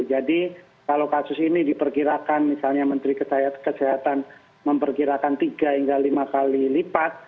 jadi kalau kasus ini diperkirakan misalnya menteri kesehatan memperkirakan tiga hingga lima kali lipat